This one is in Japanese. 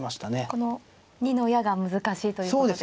この二の矢が難しいということですか。